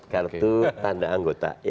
karena itu tanda anggota